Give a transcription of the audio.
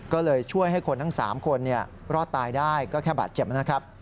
ก็เลยช่วยให้คนทั้ง๓คนรอดตายได้ก็แค่บาดเจ็บนะครับ